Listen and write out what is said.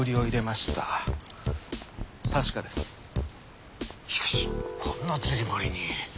しかしこんな釣堀に。